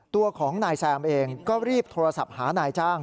ตัวของนายแซมเองก็รีบโทรศัพท์หานายจ้าง